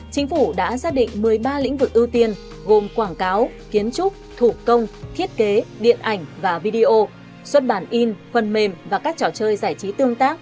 chính phủ đã xác định một mươi ba lĩnh vực ưu tiên gồm quảng cáo kiến trúc thủ công thiết kế điện ảnh và video